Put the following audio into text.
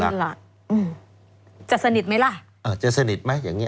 จะสนิทไหมล่ะอ่าจะสนิทไหมอย่างนี้